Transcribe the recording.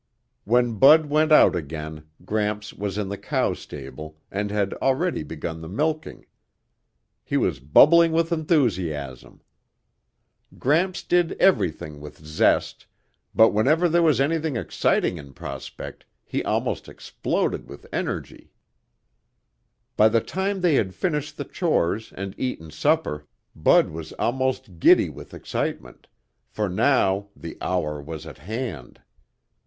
When Bud went out again, Gramps was in the cow stable and had already begun the milking. He was bubbling with enthusiasm. Gramps did everything with zest, but whenever there was anything exciting in prospect, he almost exploded with energy. By the time they had finished the chores and eaten supper, Bud was almost giddy with excitement, for now the hour was at hand.